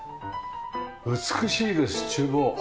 美しいです厨房。